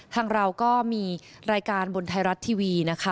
ทางเราก็มีรายการบนไทยรัฐทีวีนะคะ